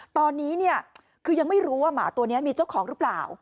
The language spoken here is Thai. ตอนนี้เนี่ยคือยังไม่รู้ว่าหมาตัวนี้มีเจ้าของหรือเปล่า